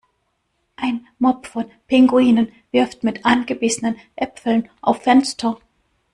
Ein Mob von Pinguinen wirft mit angebissenen Äpfeln auf Fenster.